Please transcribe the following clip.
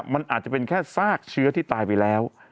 มันอาจจะเป็นแค่ซากเชื้อที่ตายไปแล้ว